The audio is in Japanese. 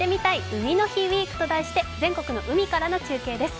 海の日ウィーク」と題して全国の海からの中継です。